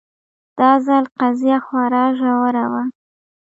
دا ځل قضیه خورا ژوره وه